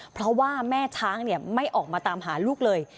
เพราะว่าแม่ช้างไม่ออกมาตามหาลูกเลย